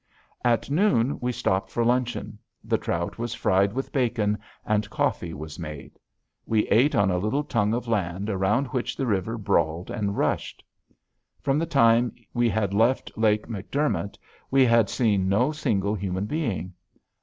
At noon we stopped for luncheon. The trout was fried with bacon, and coffee was made. We ate on a little tongue of land around which the river brawled and rushed. From the time we had left Lake McDermott we had seen no single human being.